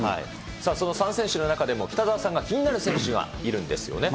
その３選手の中でも、北澤さんが気になる選手がいるんですよね。